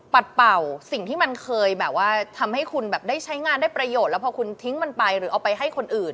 เป่าสิ่งที่มันเคยแบบว่าทำให้คุณแบบได้ใช้งานได้ประโยชน์แล้วพอคุณทิ้งมันไปหรือเอาไปให้คนอื่น